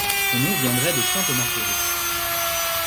Son nom viendrait de Sainte Marguerite.